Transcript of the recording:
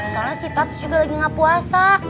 soalnya si paps juga lagi gak puasa